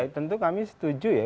tentu kami setuju ya